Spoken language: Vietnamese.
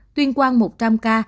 tuyên quang một trăm linh ca